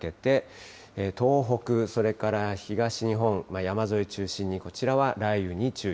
夕方にかけて、東北、それから東日本、山沿い中心にこちらは雷雨に注意。